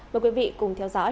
mời quý vị cùng theo dõi